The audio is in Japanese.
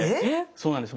そうなんです